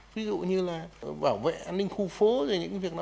ví dụ như là bảo vệ an ninh khu phố và những việc đó